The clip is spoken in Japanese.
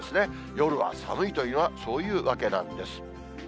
夜は寒いというのは、そういうわけなんです。